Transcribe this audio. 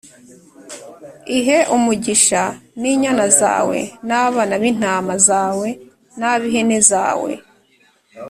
ihe umugisha n’inyana zawe n’abana b’intama zawe n’ab’ihene zawe.